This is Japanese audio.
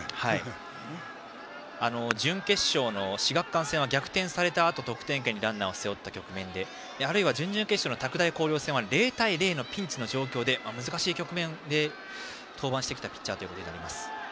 準決勝の志学館戦は逆転されたあと得点圏にランナーを背負った局面であるいは準々決勝の拓大紅陵戦は０対０のピンチの状況で難しい局面で登板してきたピッチャーとなります。